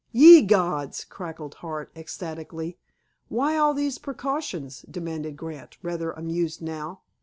"Ye gods!" cackled Hart ecstatically. "Why all these precautions?" demanded Grant, rather amused now.